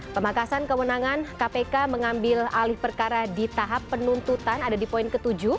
pemangkasan kewenangan kpk mengambil alih perkara di tahap penuntutan ada di poin ke tujuh